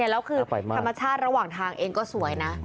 แล้วคือธรรมชาติระหว่างทางเองก็สวยนะ